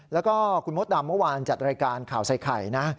แล้วก็คุณมดดำเมื่อวานจัดรายการข่าวใส่ไข่นะ